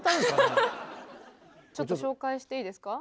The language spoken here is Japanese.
ちょっと紹介していいですか。